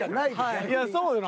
いやそうよ